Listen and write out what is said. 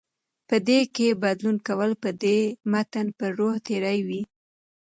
په دې کې بدلون کول به د متن پر روح تېری وي